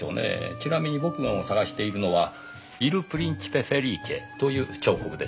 ちなみに僕が探しているのは『イル・プリンチペ・フェリーチェ』という彫刻です。